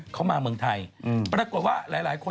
ฝรั่งกดว่าหลายหลายคน